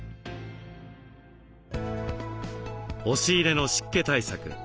押し入れの湿気対策。